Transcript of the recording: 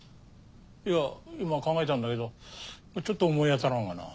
いや今考えたんだけどちょっと思い当たらんわなぁ。